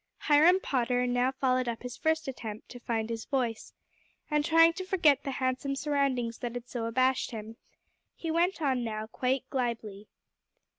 Hiram Potter now followed up his first attempt to find his voice; and trying to forget the handsome surroundings that had so abashed him, he went on now quite glibly.